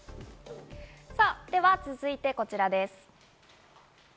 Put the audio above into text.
では続いて、こちらです。